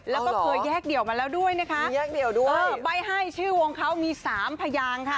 แล้วก็เคยแยกเดี่ยวมาแล้วด้วยนะคะแยกเดี่ยวด้วยเออใบ้ให้ชื่อวงเขามีสามพยางค่ะ